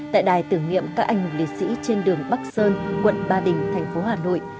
tại đài tưởng niệm các anh hùng liệt sĩ trên đường bắc sơn quận ba đình thành phố hà nội